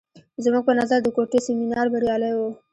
زموږ په نظر د کوټې سیمینار بریالی و.